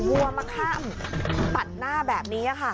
ว่ามาข้ามปัดหน้าแบบนี้อ่ะค่ะ